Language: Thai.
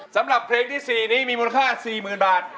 สำหรับเพลงที่๔นี้มีมูลค่า๔๐๐๐บาท